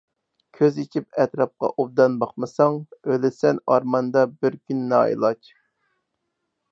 كۆز ئېچىپ ئەتراپقا ئوبدان باقمىساڭ، ئۆلىسەن ئارماندا بىر كۈن نائىلاج.